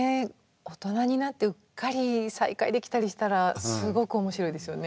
大人になってうっかり再会できたりしたらすごく面白いですよね。